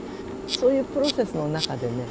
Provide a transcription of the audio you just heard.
そういうプロセスの中でね